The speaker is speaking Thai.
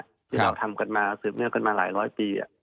ที่เราทำกันมาสืบเนื่องกันมาหลายร้อยปี